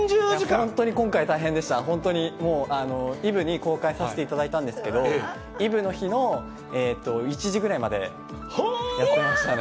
本当に今回、大変でした、本当にもう、イブに公開させていただいたんですけれども、イブの日の１時ぐらいまでやってましたね。